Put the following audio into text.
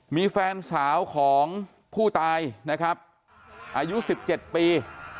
มีแฟนสาวของผู้ตายนะครับอายุ๑๗ปี